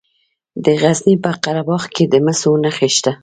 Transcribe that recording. د غزني په قره باغ کې د مسو نښې شته.